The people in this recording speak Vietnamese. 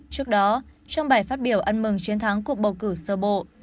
trước đó trong bài phát biểu ăn mừng chiến thắng cuộc bầu cử sơ bộ